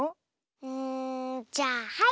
うんじゃあはい！